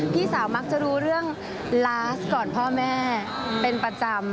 พี่สาวมักจะรู้เรื่องลาสก่อนพ่อแม่เป็นประจำ